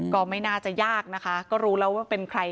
ก็ไม่น่าจะยากนะคะก็รู้แล้วว่าเป็นใคร